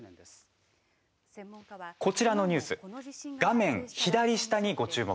こちらのニュース画面左下にご注目。